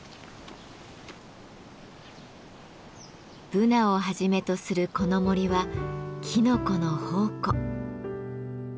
ブナをはじめとするこの森はきのこの宝庫。